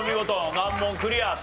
難問クリアと。